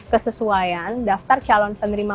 kesesuaian daftar calon penerima